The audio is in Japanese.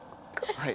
はい。